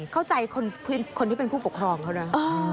เข้าใจคนที่เป็นผู้ปกครองเขานะ